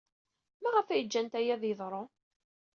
Maɣef ay ǧǧant aya ad d-yeḍru?